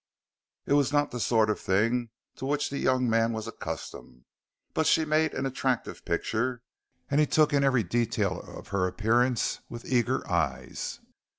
It was not the sort of thing to which the young man was accustomed, but she made an attractive picture and he took in every detail of her appearance with eager eyes.